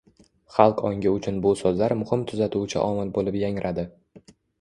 xalq ongi uchun bu so‘zlar muhim tuzatuvchi omil bo‘lib yangradi